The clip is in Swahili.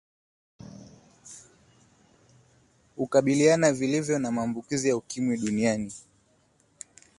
ukabiliana vilivyo na maambukizi ya ukimwi duniani